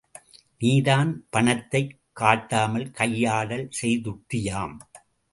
நீதான் பணத்தைக் கட்டாமல் கையாடல் செய்துட்டியாம்.